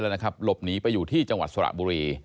หลบหนีไปอยู่ที่จังหวัดสระบุรี